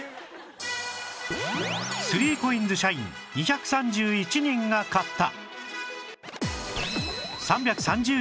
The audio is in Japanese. ３ＣＯＩＮＳ 社員２３１人が買った